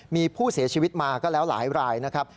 มีผู้เสียชีวิตมาก็แล้วหลายรายนะครับ